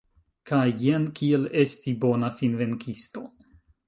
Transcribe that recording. Kaj jen kiel esti bona finvenkisto.